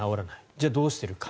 じゃあ、どうしているか。